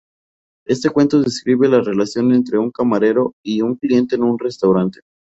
Este cuento describe la relación entre un camarero y un cliente en un restaurante.